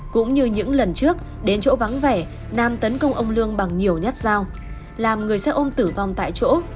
cũng như những lần trước đến chỗ vắng vẻ nam tấn công ông lương bằng nhiều nhát dao làm người xe ôm tử vong tại chỗ